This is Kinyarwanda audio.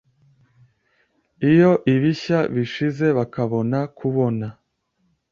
Iyo ibishya bishize bakabona kubona